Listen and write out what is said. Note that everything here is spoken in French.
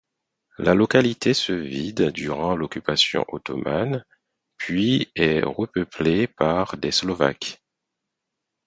La localité se vide durant l'occupation ottomane puis est repeuplée par des Slovaques.